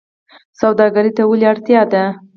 سوداګرۍ ته ولې اړتیا ده؟